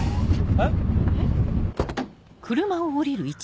えっ？